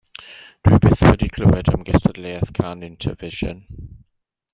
Dw i byth wedi clywed am gystadleuaeth cân Intervision.